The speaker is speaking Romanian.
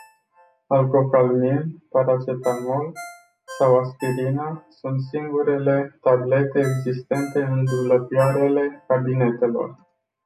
Algocalmin, paracetamol sau aspirină sunt singurele tablete existente în dulăpioarele cabinetelor.